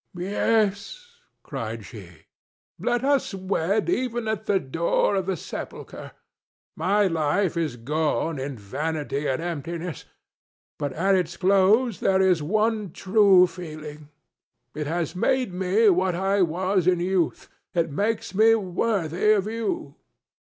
"Yes!" cried she; "let us wed even at the door of the sepulchre. My life is gone in vanity and emptiness, but at its close there is one true feeling. It has made me what I was in youth: it makes me worthy of you.